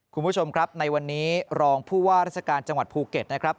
คุณผู้ชมครับในวันนี้รองผู้ว่าราชการจังหวัดภูเก็ตนะครับ